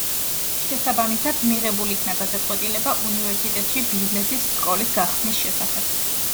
შესაბამისად, მიღებულ იქნა გადაწყვეტილება უნივერსიტეტში ბიზნესის სკოლის გახსნის შესახებ.